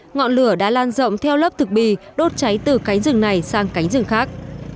ngọn lửa đã lan rộng theo lớp thực bì đốt cháy từ cánh rừng này sang cánh rừng khác